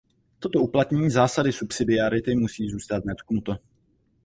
Toto uplatnění zásady subsidiarity musí zůstat netknuto.